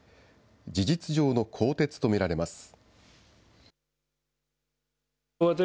事実上の更迭と見られます。